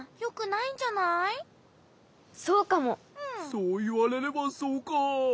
そういわれればそうか。